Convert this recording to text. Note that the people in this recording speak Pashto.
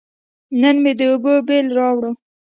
نن مې د اوبو بیل راووړ.